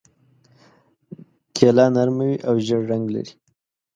کیله نرمه وي او ژېړ رنګ لري.